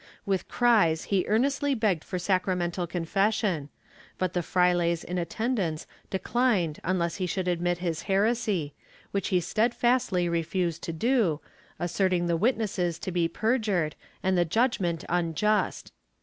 With cries he earnestly begged for sacramental confession, but the frailes in attendance declined unless he should admit his heresy, which he steadfastly refused to do, asserting the witnesses to be perjured, and the judgement unjust.